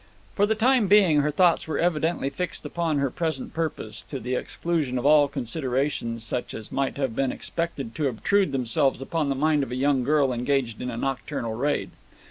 For the time being her thoughts were evidently fixed upon her present purpose, to the exclusion of all considerations such as might have been expected to obtrude themselves upon the mind of a young girl engaged in a nocturnal raid.